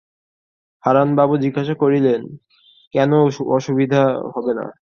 হারানবাবু জিজ্ঞাসা করিলেন, কেন সুবিধা হবে না?